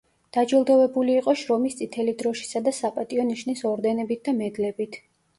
დაჯილდოვებული იყო შრომის წითელი დროშისა და „საპატიო ნიშნის“ ორდენებით და მედლებით.